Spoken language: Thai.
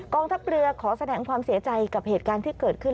ทัพเรือขอแสดงความเสียใจกับเหตุการณ์ที่เกิดขึ้น